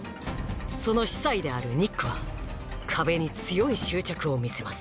その司祭であるニックは壁に強い執着を見せます